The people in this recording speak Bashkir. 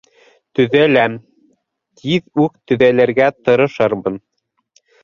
— Төҙәләм, тиҙ үк төҙәлергә тырышырмын.